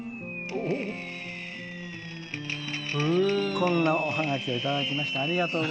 こんなおハガキをいただきました。